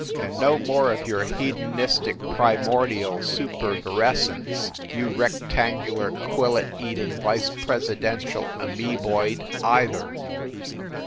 And no more of your hedonistic primordial supervirescence, you rec tangular quillet eating, vice presidential amoeboid, either!"